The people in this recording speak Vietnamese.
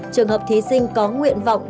trường hợp thí sinh có nguyện vọng